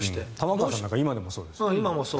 玉川さんなんか今でもそうですよ。